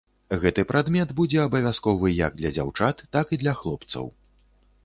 Гэты прадмет будзе абавязковы як для дзяўчат, так і для хлопцаў.